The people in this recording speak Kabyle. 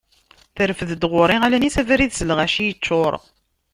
Terfed-d ɣur-i allen-is, abrid s lɣaci yeččur.